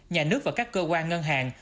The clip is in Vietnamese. nhà nước và các cơ quan ngân hàng